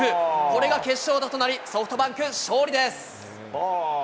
これが決勝打となり、ソフトバンク勝利です。